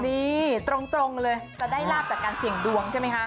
นี่ตรงเลยจะได้ลาบจากการเสี่ยงดวงใช่ไหมคะ